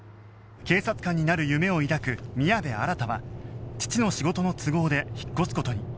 警察官になる夢を抱く宮部新は父の仕事の都合で引っ越す事に